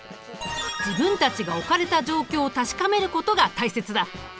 自分たちが置かれた状況を確かめることが大切だ。